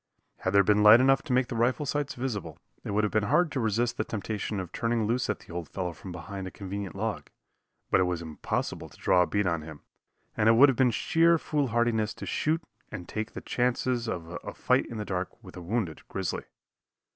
Had there been light enough to make the rifle sights visible, it would have been hard to resist the temptation of turning loose at the old fellow from behind a convenient log; but it was impossible to draw a bead on him, and it would have been sheer foolhardiness to shoot and take the chances of a fight in the dark with a wounded grizzly.